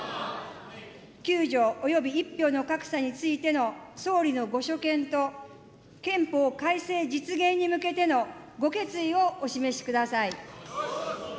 ９条および１票の格差についての総理のご所見と憲法改正実現に向けてのご決意をお示しください。